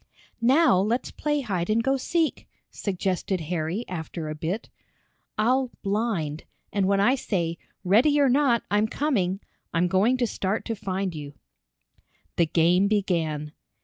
"Now let's play hide and go seek!" suggested Harry after a bit. "I'll 'blind' and when I say 'ready or not, I'm coming,' I'm going to start to find you." The game began.